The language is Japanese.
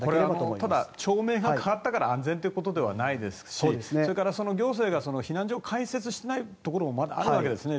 これは町名が変わったから安心ということではないですしそれから行政が避難所を開設してないこともまだあるわけですね